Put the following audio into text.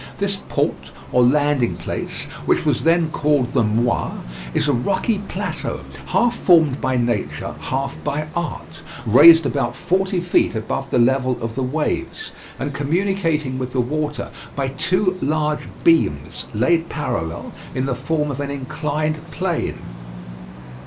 This port, or landing place, which was then called the Moie, is a rocky plateau half formed by nature, half by art, raised about forty feet above the level of the waves, and communicating with the water by two large beams laid parallel in the form of an inclined plane.